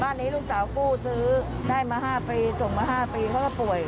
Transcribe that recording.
นี้ลูกสาวกู้ซื้อได้มา๕ปีส่งมา๕ปีเขาก็ป่วย